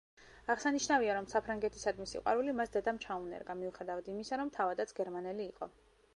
აღსანიშნავია, რომ საფრანგეთისადმი სიყვარული მას დედამ ჩაუნერგა, მიუხედავად იმისა, რომ თავადაც გერმანელი იყო.